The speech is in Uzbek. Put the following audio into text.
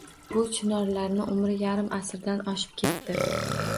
Bu chinorlarni umri... yarim asrdan oshib ketdi.